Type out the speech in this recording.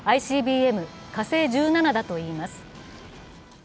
ＩＣＢＭ、火星１７だといいます。